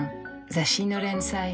雑誌の連載